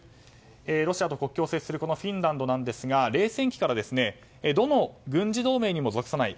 ロシアと国境を接するフィンランドなんですが冷戦期からどの軍事同盟にも属さない